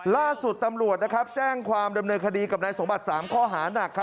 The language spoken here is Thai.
ล่าสุดตำรวจแจ้งความดำเนินคดีกับนายสมบัติ๓ข้อหานัก